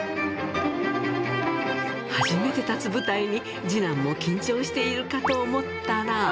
初めて立つ舞台に次男も緊張しているかと思ったら。